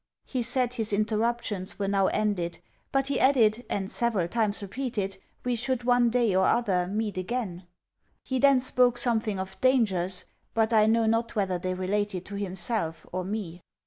He said his interruptions were now ended but, he added, and several times repeated, we should one day or other meet again; he then spoke something of dangers, but I know not whether they related to himself or me.